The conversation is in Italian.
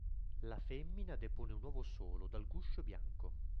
La femmina depone un solo uovo, dal guscio bianco.